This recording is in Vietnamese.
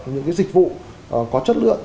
những cái dịch vụ có chất lượng